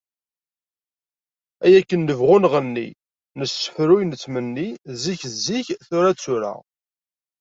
Ay akken nebɣu nɣenni, nessefruy nettmenni, zik d zik, tura d tura.